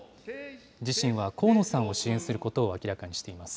自身は河野さんを支援することを明らかにしています。